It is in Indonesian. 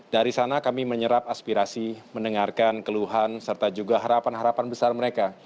dari sana kami menyerap aspirasi mendengarkan keluhan serta juga harapan harapan besar mereka